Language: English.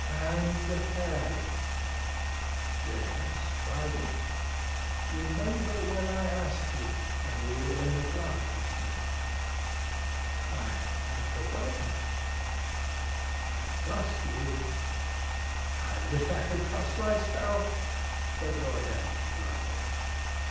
"And ... Harry!" "Yes, Basil?" "Remember what I asked you, when we were in the garden this morning." "I have forgotten it." "I trust you." "I wish I could trust myself," said Lord Henry, laughing.